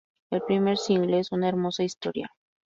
El primer single es "Una Hermosa Historia".